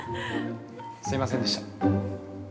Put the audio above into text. ◆すいませんでした。